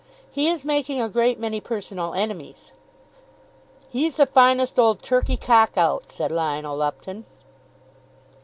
"He is making a great many personal enemies." "He's the finest old turkey cock out," said Lionel Lupton.